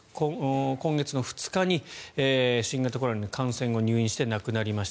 今月の２日に新型コロナに感染をして入院して亡くなりました。